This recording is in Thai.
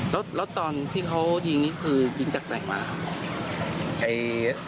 แล้วตอนที่เขายิงนี่คือยิงจากไหนมาครับ